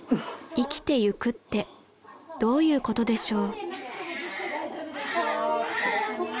［生きてゆくってどういうことでしょう？］